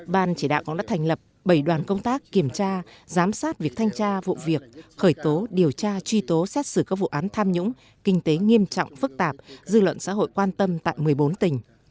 ban chỉ đạo cũng đã thành lập bảy đoàn công tác kiểm tra giám sát việc thanh tra vụ việc khởi tố điều tra truy tố xét xử các vụ án tham nhũng kinh tế nghiêm trọng phức tạp dư luận xã hội quan tâm tại một mươi bốn tỉnh